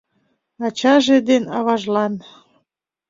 Ачаже ден аважлан